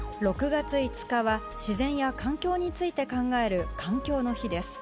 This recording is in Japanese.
６月５日は、自然や環境について考える環境の日です。